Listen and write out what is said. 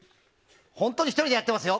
本当に１人でやってますよ。